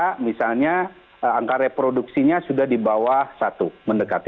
karena misalnya angka reproduksinya sudah di bawah satu mendekati